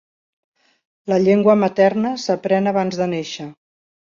La llengua materna s'aprèn abans de néixer.